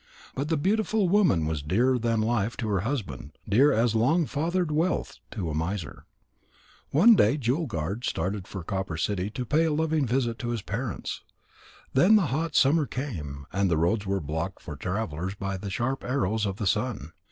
But the beautiful woman was dearer than life to her husband, dear as long fathered wealth to a miser. One day Jewel guard started for Copper City to pay a loving visit to his parents. Then the hot summer came, and the roads were blocked for travellers by the sharp arrows of the sun.